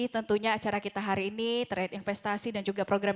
tentunya acara kita akan berbicara tentang orasi dan jadwal keuangan